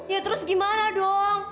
ya terus gimana dong